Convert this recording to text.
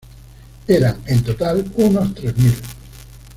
Eran, en total, unos tres mil.